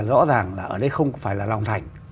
rõ ràng ở đây không phải là lòng thành